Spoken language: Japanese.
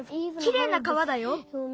きれいな川だよ。